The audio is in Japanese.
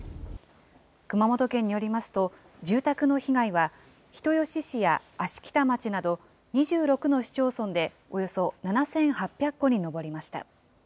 熊本県によりますと、住宅の被害は、人吉市や芦北町など２６の市町村でおよそ７８００戸に上りました。